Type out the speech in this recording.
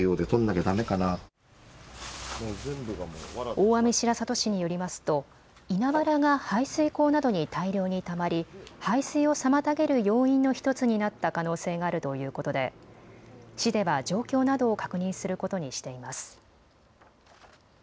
大網白里市によりますと稲わらが排水溝などに大量にたまり排水を妨げる要因の１つになった可能性があるということで市では状況などを確認することにしています。